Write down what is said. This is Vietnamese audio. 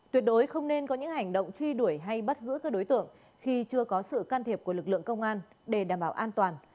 tuyệt đối không nên có những hành động truy đuổi hay bắt giữ các đối tượng khi chưa có sự can thiệp của lực lượng công an để đảm bảo an toàn